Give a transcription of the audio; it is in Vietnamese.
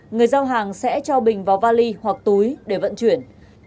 người giao hàng sẽ cho bình vào vali hoặc túi để vận chuyển